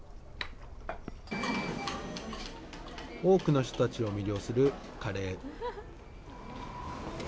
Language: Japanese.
多くの人たちを魅了するカレー。